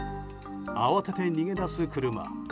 慌てて逃げ出す車。